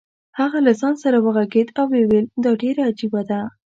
هغه له ځان سره وغږېد او ویې ویل چې دا ډېره عجیبه ده.